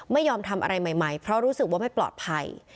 ไม่ยอมทำอะไรใหม่เพราะรู้สึกว่าไม่ปลอดภัย